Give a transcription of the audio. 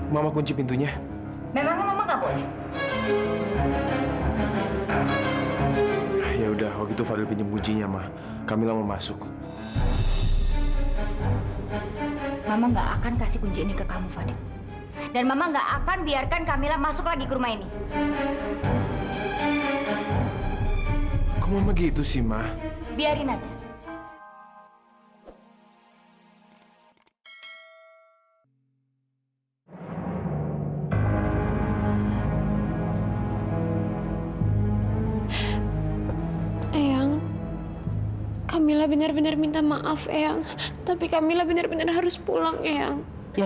sampai jumpa di video selanjutnya